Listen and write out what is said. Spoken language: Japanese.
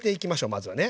まずはね。